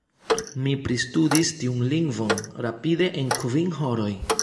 Mi pristudis tiun lingvon rapide en kvin horoj!